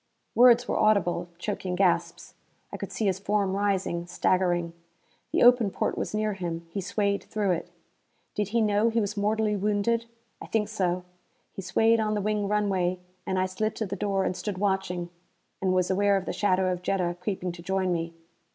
Words were audible; choking gasps. I could see his form rising, staggering. The open porte was near him; he swayed through it. Did he know he was mortally wounded? I think so. He swayed on the wing runway, and I slid to the door and stood watching. And was aware of the shadow of Jetta creeping to join me.